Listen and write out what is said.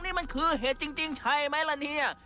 นี่มันคือเห็ดจริงใช่ไหมล่ะเนี่ย